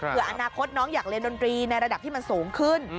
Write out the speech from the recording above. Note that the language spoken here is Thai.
เพื่ออนาคตน้องอยากเรียนดนตรีในระดับที่มันสูงขึ้น